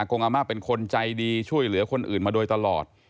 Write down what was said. งอาม่าเป็นคนใจดีช่วยเหลือคนอื่นมาโดยตลอด